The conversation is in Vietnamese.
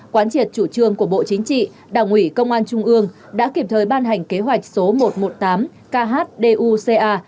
quán triệt chủ trương của bộ chính trị đảng ủy công an trung ương đã kịp thời ban hành kế hoạch số một trăm một mươi tám khduca